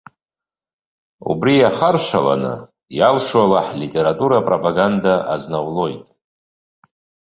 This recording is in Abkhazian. Убри иахаршәаланы, иалшо ала, ҳлитература апропаганда азнаулоит.